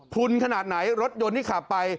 ุนขนาดไหนรถยนต์ที่ขับไป